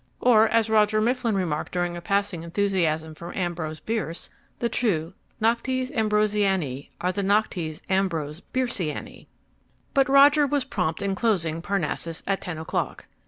Or, as Roger Mifflin remarked during a passing enthusiasm for Ambrose Bierce, the true noctes ambrosianae are the noctes ambrose bierceianae. But Roger was prompt in closing Parnassus at ten o'clock.